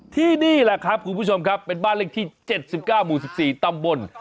ที่นี่แหละครับคุณผู้ชมครับเป็นบ้านเลขที่๗๙หมู่๑๔ตำบล